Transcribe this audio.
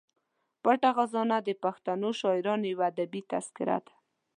پټه خزانه د پښتنو شاعرانو یوه ادبي تذکره ده.